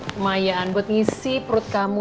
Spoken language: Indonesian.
kemayaan buat ngisi perut kamu